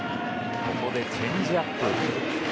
ここでチェンジアップ。